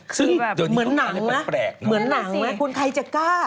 ครึ่งเหมือนหนังนะคุณใครจะกล้า